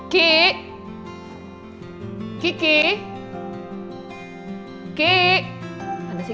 kok debuan banget sih